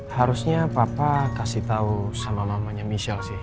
harusnya papa kasih tau sama mamanya michelle